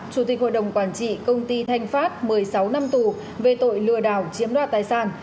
chủ tịch hội đồng quản trị công ty thanh phát một mươi sáu năm tù về tội lừa đảo chiếm đoạt tài sản